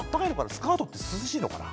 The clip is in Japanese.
スカートって涼しいのかな。